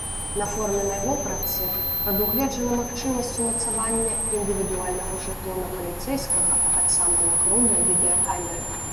На форменнай вопратцы прадугледжана магчымасць умацавання індывідуальнага жэтона паліцэйскага, а таксама нагруднай відэакамеры.